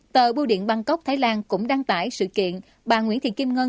tờ bưu điện bangkok thái lan cũng đăng tải sự kiện bà nguyễn thị kim ngân